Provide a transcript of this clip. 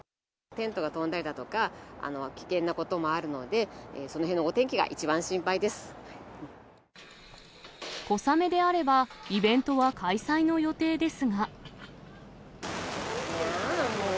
テントが飛んだりだとか、危険なこともあるので、そのへんのお天小雨であればイベントは開催いやーん、もう。